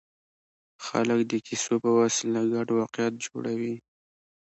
خلک د کیسو په وسیله ګډ واقعیت جوړوي.